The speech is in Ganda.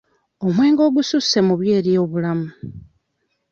Omwenge ogususse mubi eri obulamu.